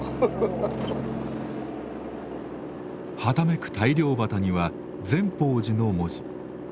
はためく大漁旗には「善寳寺」の文字。